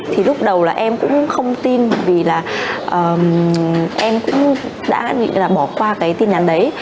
thì lúc đầu là em cũng không tin vì là em cũng đã nghĩ là bỏ qua cái tin nhắn đấy